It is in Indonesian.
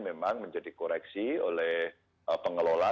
memang menjadi koreksi oleh pengelola